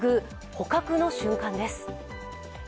捕獲の瞬間です。